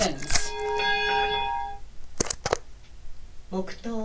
黙とう。